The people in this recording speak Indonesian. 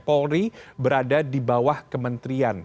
polri berada di bawah kementerian